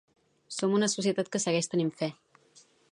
Som una societat que segueix tenint fe.